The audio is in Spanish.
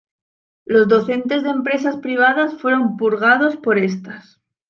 Los docentes de empresas privadas fueron purgados por estas.